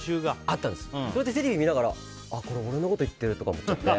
それでテレビ見ながらこれ俺のこと言ってるって思っちゃって。